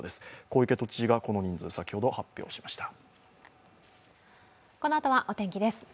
小池都知事がこの人数を先ほど発表しました。